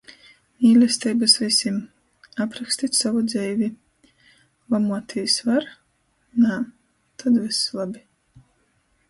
Mīlesteibys vysim!!! Aprokstit sovu dzeivi. Lomuotīs var? Nā. Tod vyss labi...